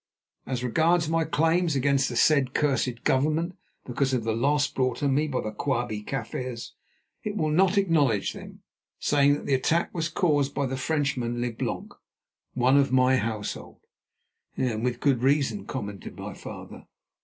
As regards my claims against the said cursed Government because of the loss brought on me by the Quabie Kaffirs, it will not acknowledge them, saying that the attack was caused by the Frenchman Leblanc, one of my household.'" "And with good reason," commented my father.